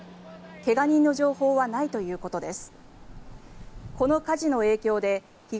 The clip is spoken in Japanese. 怪我人の情報はないということです。